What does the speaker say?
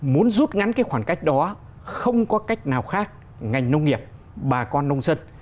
muốn rút ngắn cái khoảng cách đó không có cách nào khác ngành nông nghiệp bà con nông dân